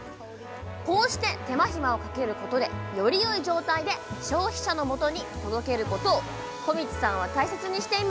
こうして手間暇をかけることでよりよい状態で消費者のもとに届けることを小道さんは大切にしていました。